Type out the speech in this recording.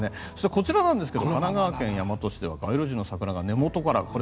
こちら、神奈川県大和市では街路樹の桜が根元からこれ、